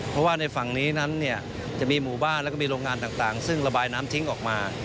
เพราะว่าในฝั่งนี้นั้นเนี่ยจะมีหมู่บ้านแล้วก็มีโรงงานต่างซึ่งระบายน้ำทิ้งออกมา